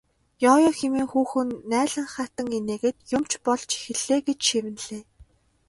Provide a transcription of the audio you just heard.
Ёо ёо хэмээн хүүхэн наалинхайтан инээгээд юм ч болж эхэллээ гэж шивнэлээ.